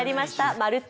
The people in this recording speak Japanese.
「まるっと！